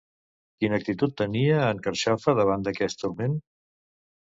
Quina actitud tenia, en Carxofa, davant d'aquest turment?